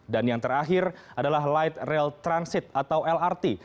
dan yang terakhir adalah light rail transit atau lrt